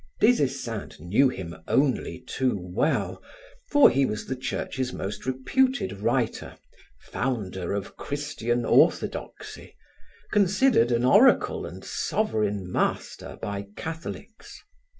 Des Esseintes knew him only too well, for he was the Church's most reputed writer, founder of Christian orthodoxy, considered an oracle and sovereign master by Catholics.